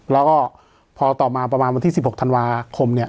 แล้วก็พอต่อมาประมาณวันที่๑๖ธันวาคมเนี่ย